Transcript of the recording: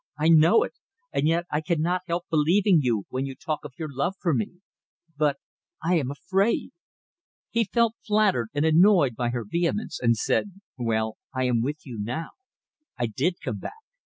I know it. And yet I cannot help believing you when you talk of your love for me. But I am afraid!" He felt flattered and annoyed by her vehemence, and said "Well, I am with you now. I did come back.